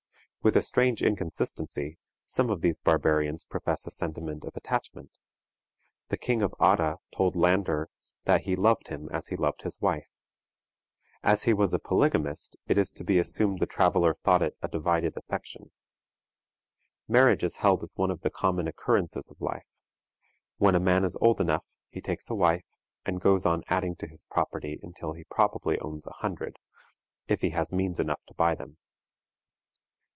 With a strange inconsistency, some of these barbarians profess a sentiment of attachment. The King of Atta told Lander that he loved him as he loved his wife. As he was a polygamist, it is to be assumed the traveler thought it a divided affection. Marriage is held as one of the common occurrences of life. When a man is old enough, he takes a wife, and goes on adding to his property until he probably owns a hundred, if he has means enough to buy them.